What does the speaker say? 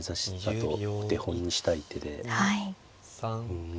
うん。